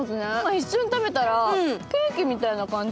一緒に食べたらケーキみたいな感じ。